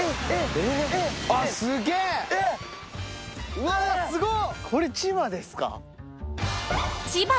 ・うわすごっ！